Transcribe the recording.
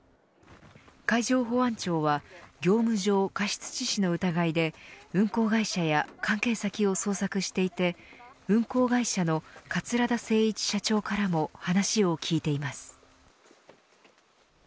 海上保安庁は業務上過失致死の疑いで運航会社や関係先を捜索していて運航会社の桂田精一社長からも話を聞いています。